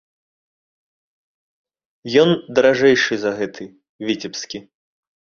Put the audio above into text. Ён даражэйшы за гэты, віцебскі.